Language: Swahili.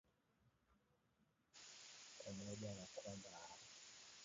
pamoja na kwamba aa